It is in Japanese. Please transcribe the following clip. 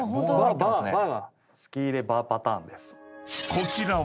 ［こちらは］